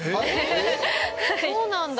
そうなんだ。